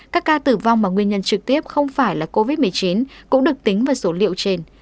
các ca tử vong mà nguyên nhân trực tiếp không phải là covid một mươi chín cũng được tính vào số liệu trên